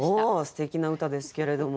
すてきな歌ですけれども。